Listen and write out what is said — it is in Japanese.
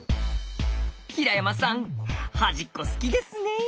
平山さん端っこ好きですねぇ？